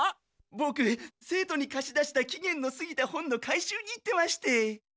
ボク生徒にかし出した期限のすぎた本の回収に行ってまして。